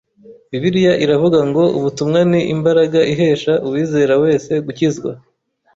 Bibiliya iravuga ngo ubutumwa ni imbaraga ihesha uwizera wese gukizwa.